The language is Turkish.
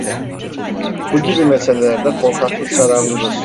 Bu gibi meselelerde korkaklık zararlıdır…